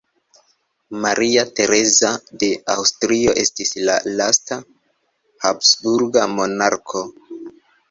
Maria Tereza de Aŭstrio estis la lasta habsburga monarko.